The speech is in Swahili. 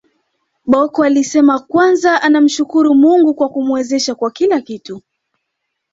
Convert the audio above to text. Bocco alisema kwanza anamshukuru Mungu kwa kumwezesha kwa kila kitu